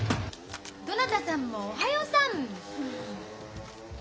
どなたさんもおはようさん！